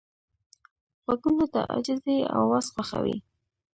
غوږونه د عاجزۍ اواز خوښوي